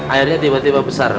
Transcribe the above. airnya tiba tiba besar